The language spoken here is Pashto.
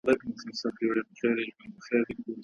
هغه مهال سرتېرو خپله سپېڅلې دنده ترسره کوله.